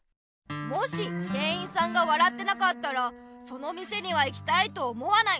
もし店員さんが笑ってなかったらその店には行きたいと思わない。